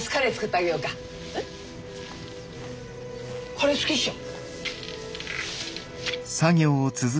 カレー好きっしょ？